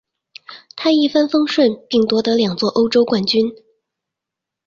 他一帆风顺并夺得两座欧洲冠军。